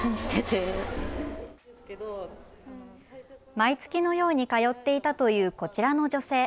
毎月のように通っていたというこちらの女性。